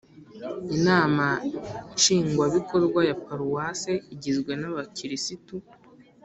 Inama Nshingwabikorwa ya Paruwase igizwe nabakirisitu